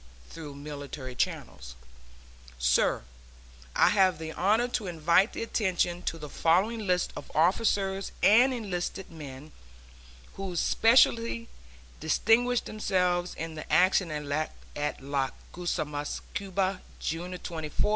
(Through military channels) SIR: I have the honor to invite attention to the following list of officers and enlisted men who specially distinguished themselves in the action at Las Guasimas, Cuba, June 24, 1898.